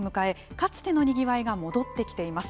かつてのにぎわいが戻ってきています。